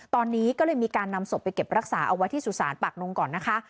ตอนนี้ก็เลยมีการนำศพไปเก็บรักษาเอาไว้ที่สุสานปากนงก่อนนะคะ